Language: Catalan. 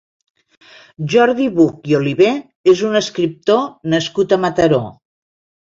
Jordi Buch i Oliver és un escriptor nascut a Mataró.